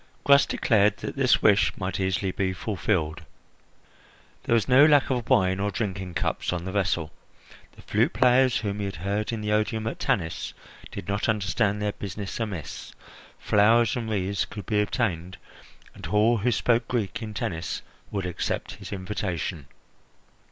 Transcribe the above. Gras declared that this wish might easily be fulfilled. There was no lack of wine or drinking cups on the vessel, the flute players whom he had heard in the Odeum at Tanis did not understand their business amiss, flowers and wreaths could be obtained, and all who spoke Greek in Tennis would accept his invitation.